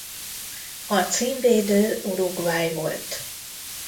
A címvédő Uruguay volt.